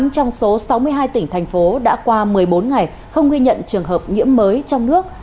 tám trong số sáu mươi hai tỉnh thành phố đã qua một mươi bốn ngày không ghi nhận trường hợp nhiễm mới trong nước